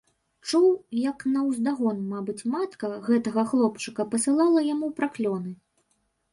Чуў, як наўздагон, мабыць, матка гэтага хлопчыка пасылала яму праклёны.